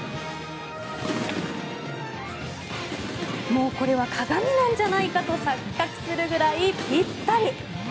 もうこれは鏡なんじゃないかと錯覚するくらいぴったり。